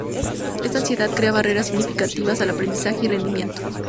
Esta ansiedad crea barreras significativas al aprendizaje y rendimiento.